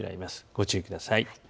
ご注意ください。